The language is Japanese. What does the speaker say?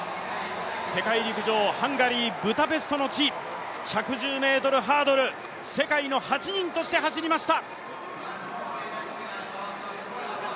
世界陸上ハンガリー・ブダペストの地１１０ｍハードル、世界の８人として走りました。